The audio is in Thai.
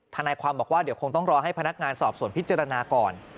ทนายความบอกว่าเดี๋ยวคงต้องรอให้พนักงานสอบสวนพิจารณาก่อน